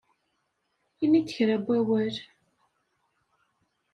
Ini-d kra n wawal!